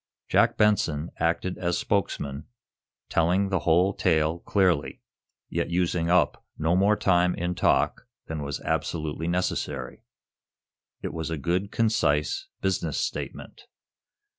Jack Benson acted as spokesman, telling the whole tale clearly, yet using up no more time in talk than was absolutely necessary. It was a good, concise, business statement.